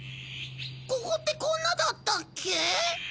ここってこんなだったっけ？